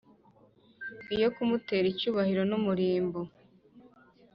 Iyo kumutera icyubahiro n umurimbo